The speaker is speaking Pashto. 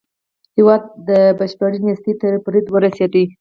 هېواد بشپړې نېستۍ تر بريده ورسېد.